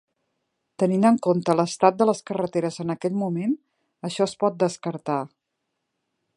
Tenint en compte l'estat de les carreteres en aquell moment, això es pot descartar.